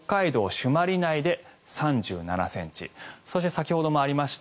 朱鞠内で３７ｃｍそして、先ほどもありました